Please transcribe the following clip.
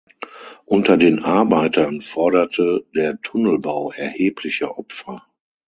Unter den Arbeitern forderte der Tunnelbau erhebliche Opfer.